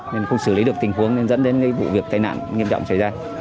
nên không xử lý được tình huống nên dẫn đến vụ việc tai nạn nghiêm trọng xảy ra